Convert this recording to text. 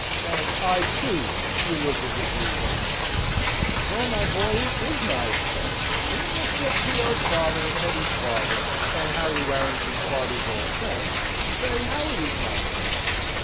"And I, too, you look as if you were going to say. Well, my boy, it is my affair and you must let Theo's father and Hetty's father, and Harry Warrington's father's old friend say how it is my affair."